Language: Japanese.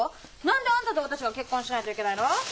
何であんたと私が結婚しないといけないの。